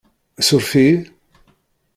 Surf-iyi?